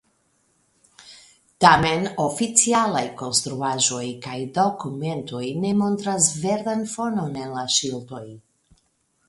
Tamen oficialaj konstruaĵoj kaj dokumentoj ne montras verdan fonon en la ŝildoj.